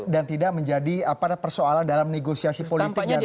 dan tidak menjadi persoalan dalam negosiasi politik diantara koalisi ya